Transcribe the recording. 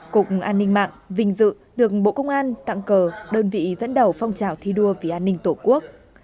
cục an ninh mạng vinh dự được bộ công an tặng cờ đơn vị dẫn đầu phong trào thi đua vì an ninh tổ quốc